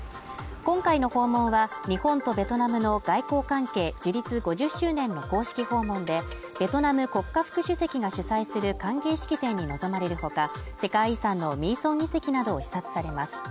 今回の訪問は日本とベトナムの外交関係樹立５０周年の公式訪問でベトナム国家副主席が主催する歓迎式典に臨まれるほか世界遺産のミーソン遺跡などを視察されます